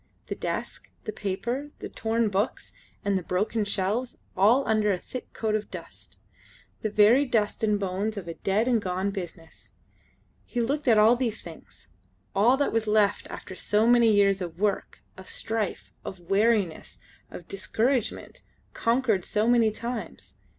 The desk, the paper, the torn books, and the broken shelves, all under a thick coat of dust. The very dust and bones of a dead and gone business. He looked at all these things, all that was left after so many years of work, of strife, of weariness, of discouragement, conquered so many times.